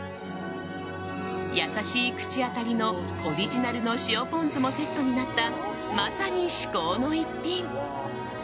優しい口当たりのオリジナルの塩ポン酢もセットになったまさに至高の逸品。